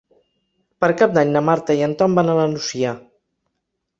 Per Cap d'Any na Marta i en Tom van a la Nucia.